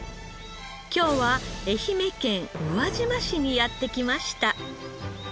今日は愛媛県宇和島市にやってきました。